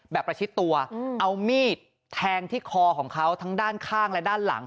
ประชิดตัวเอามีดแทงที่คอของเขาทั้งด้านข้างและด้านหลัง